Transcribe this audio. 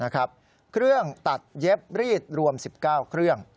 เครื่องตัดเย็บรีดรวม๑๙เครื่อง